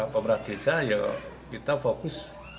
pemerintah desa kita fokus